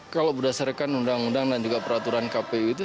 kalau berdasarkan undang undang dan juga peraturan kpu itu